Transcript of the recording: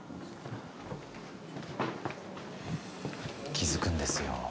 気付くんですよ。